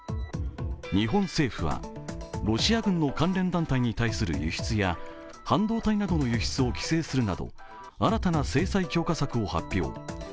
日本政府はロシア軍の関連団体に対する輸出や半導体などの輸出を規制するなど新たな制裁強化策を発表。